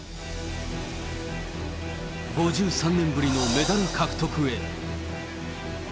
５３年ぶりのメダル獲得へ。